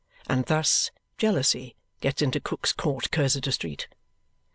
And thus jealousy gets into Cook's Court, Cursitor Street.